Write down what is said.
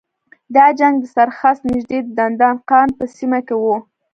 دا جنګ د سرخس نږدې د دندان قان په سیمه کې و.